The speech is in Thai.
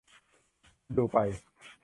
ดูไป